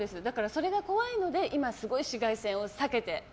それが怖いので今、紫外線を避けて。